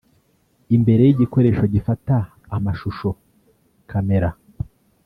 Imbere y’igikoresho gifata amashusho (camera)